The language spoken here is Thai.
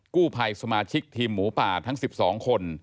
กู้ภัยสมาชิกทีมหมูป่าทั้ง๑๒คน